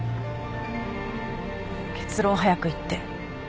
結論を早く言って。